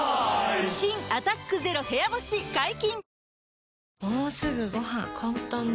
新「アタックＺＥＲＯ部屋干し」解禁‼